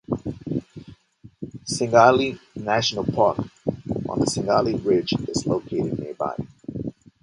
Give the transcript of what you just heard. Singalila National Park on the Singalila Ridge is located nearby.